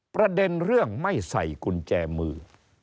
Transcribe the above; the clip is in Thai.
ประเด็นเรื่องไม่ใส่กุญแจมือ